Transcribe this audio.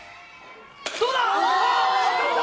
どうだ？